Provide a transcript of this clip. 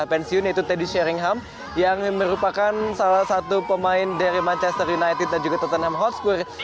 pensiun yaitu teddy sharingham yang merupakan salah satu pemain dari manchester united dan juga tottenham hotspur